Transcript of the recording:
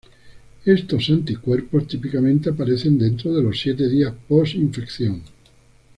Estos anticuerpos típicamente aparecen dentro de los siete días post infección.